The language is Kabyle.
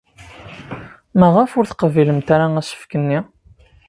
Maɣef ur teqbilemt ara asefk-nni?